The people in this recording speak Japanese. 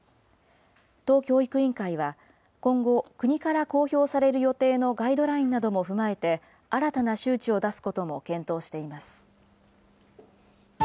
都教育委員会は、今後、国から公表される予定のガイドラインなども踏まえて、新たな周知を出すことも検討しています。